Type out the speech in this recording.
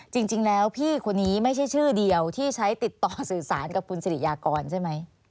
จริงแล้วพี่คนนี้ไม่ใช่ชื่อเดียวที่ใช้ติดต่อสื่อสารกับคุณสิริยากรใช่ไหม